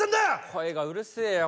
声がうるせえよ